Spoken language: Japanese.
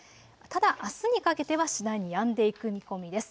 ただあすにかけては次第にやんでいく見込みです。